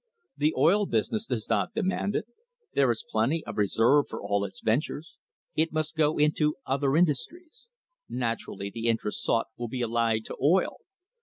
The oil business does not demand it. There is plenty of reserve for all of its ventures. It must go into other industries. Naturally, the interests sought will be allied to oil.